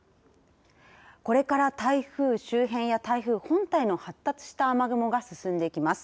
これから台風周辺や台風本体の発達した雨雲が進んでいきます。